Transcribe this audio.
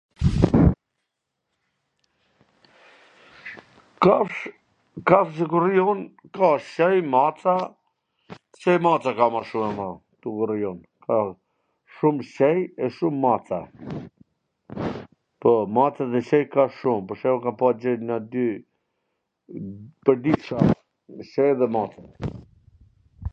Kafsh, kafsh ktu ku rri un ka qenj, maca, qenj e maca kam ma shum me thwn t drejtwn, po, ktu ku rrij un, shum qej e shum maca...po mace dhe qej kashum, pwr shwmbull ka pas ... nga dy, pwrdit ka, qej dhe mace.